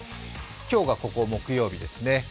今日が木曜日ですね。